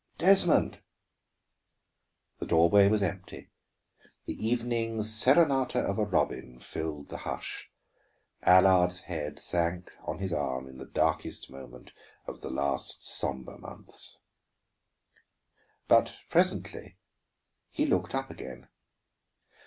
"Desmond " The doorway was empty; the evening serenata of a robin filled the hush. Allard's head sank on his arm in the darkest moment of the last somber months. But presently he looked up again.